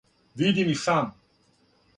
Видим и сам!